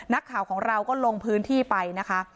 นักข่าวของเราก็ลงพื้นที่ไปนะคะ